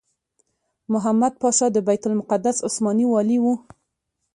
محمد پاشا د بیت المقدس عثماني والي وو.